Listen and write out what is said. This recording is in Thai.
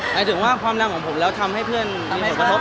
หมายถึงว่าความดังของผมแล้วทำให้เพื่อนมีผลกระทบอย่างนี้หรอค่ะ